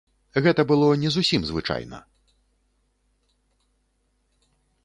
Гэта было не зусім звычайна.